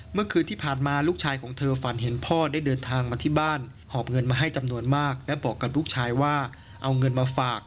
เมื่อคืนที่ผ่านมาลูกชายของเธอฝันเห็นพ่อได้เดินทางมาที่บ้านหอบเงินมาให้จำนวนมากและบอกกับลูกชายว่าเอาเงินมาฝาก